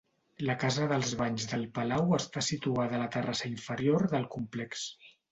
La casa dels banys del palau està situada a la terrassa inferior del complex.